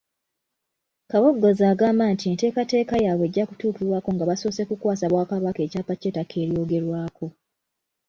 Kabogoza agamba nti enteekateeka yaabwe ejja kutuukibwako nga basoose kukwasa Bwakabaka ekyapa ky’ettaka eryogerwako.